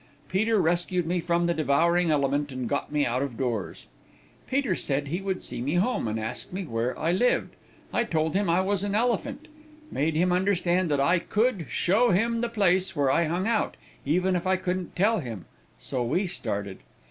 Peter rescued me from the devouring element, and got me out of doors. "Peter said he would see me home, and asked me where I lived; told him I was an elephant; made him understand that I could show him the place where I hung out, even if I couldn't tell him so we started.